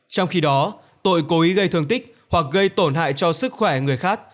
trong khi đó tội cố ý gây thương tích hoặc gây tổn hại cho sức khỏe người khác